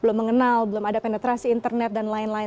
belum mengenal belum ada penetrasi internet dan lain lain